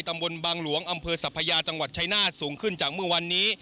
ตำบลบางหลวงอำเภอสัพพยาจังหวัดชายนาฏสูงขึ้นจากเมื่อวันนี้